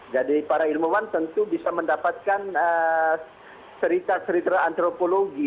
jadi para ilmuwan tentu bisa mendapatkan cerita cerita antropologi